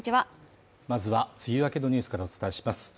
まずは、梅雨明けのニュースからお伝えします。